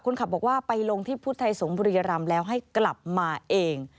ขับบอกว่าไปลงที่พุทธไทยสงศบุรีรำแล้วให้กลับมาเอง